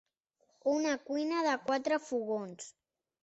Una cuina de quatre fogons.